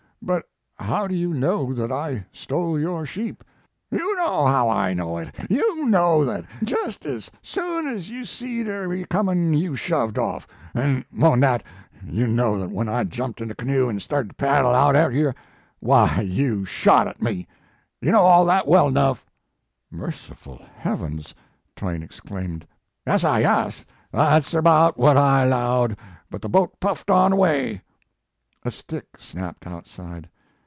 1 But how do you know that I stole your sheep?" "You know how I know it. You know that jest ez soon ez you seed me er comin you shoved off, an 1 mo n that, you know that when I jumped in a canoe an started to paddle out ter you, w y, you shot at me. You know all that well enough." * Merciful heavens !" Twain exclaimed. "Yas, sah, yas; that s erbout whut I lowed, but the boat puffed on away." A stick snapped outside.